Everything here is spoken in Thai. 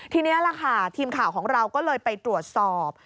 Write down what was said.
ทีนี้ล่ะค่ะทีมข่าวของเราก็เลยไปตรวจสอบ